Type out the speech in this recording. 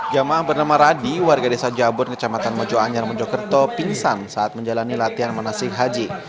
jemaah bernama radi warga desa jabon kecamatan mojoanyar mojokerto pingsan saat menjalani latihan manasik haji